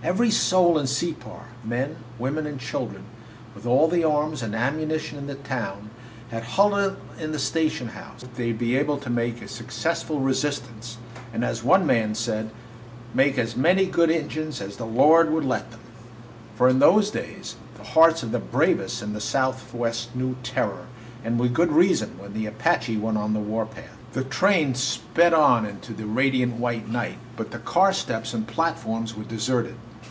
Every soul in Separ men, women, and children with all the arms and ammunition in the town, had huddled into the station house, where they hoped they would be able to make a successful resistance, and, as one man said, "make as many good Injuns as the Lord would let them." For in those days the hearts of the bravest in the Southwest knew terror, and with good reason, when the Apache went on the war path. The train sped on into the radiant white night, but the car steps and platforms were deserted.